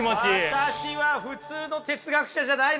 私は普通の哲学者じゃないですよ！